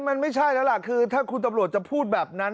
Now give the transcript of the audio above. มันไม่ใช่แล้วล่ะคือถ้าคุณตำรวจจะพูดแบบนั้น